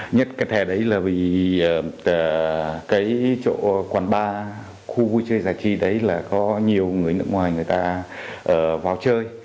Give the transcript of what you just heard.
nhất cái thẻ đấy là vì cái chỗ quán bar khu vui chơi giải trí đấy là có nhiều người nước ngoài người ta vào chơi